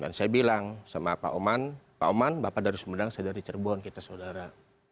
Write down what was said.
dan saya bilang sama pak oman pak oman bapak dari sumedang saya dari cerbon kita saudara